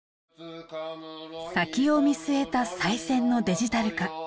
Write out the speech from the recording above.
先を見据えた賽銭のデジタル化。